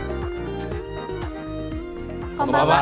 こんばんは。